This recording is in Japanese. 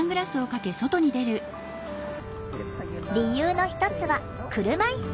理由の一つは車いす。